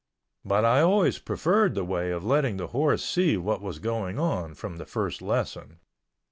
But I always preferred the way of letting the horse see what was going on from the first lesson.